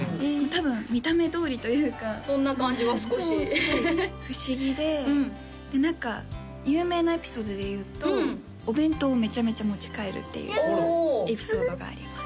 多分見た目どおりというかそんな感じは少しそうすごい不思議でで何か有名なエピソードでいうとお弁当をめちゃめちゃ持ち帰るっていうエピソードがあります